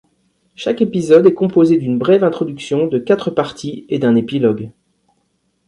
Chaque épisode est composé d'une brève introduction, de quatre parties et d'un épilogue.